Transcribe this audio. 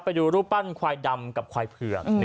ไปดูรูปปั้นควายดำกับควายเผือก